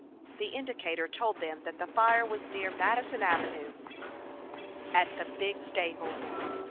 The indicator told them that the fire was near Madison Avenue at 's big stables.